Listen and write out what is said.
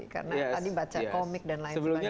karena tadi baca komik dan lain sebagainya